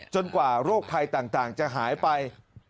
กว่าโรคภัยต่างจะหายไป